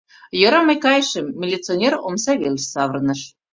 Йӧра, мый кайышым, — милиционер омса велыш савырныш.